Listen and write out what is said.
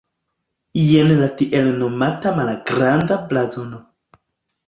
Jen la tiel nomata "malgranda blazono".